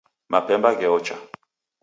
Mapemba gheocha